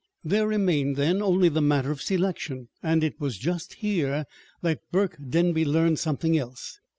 There remained then only the matter of selection; and it was just here that Burke Denby learned something else.